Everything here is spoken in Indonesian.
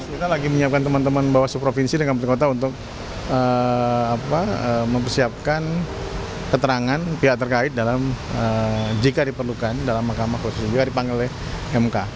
kita lagi menyiapkan teman teman bawaslu provinsi dengan pemerintah kota untuk mempersiapkan keterangan pihak terkait dalam jika diperlukan dalam mahkamah konstitusi juga dipanggil oleh mk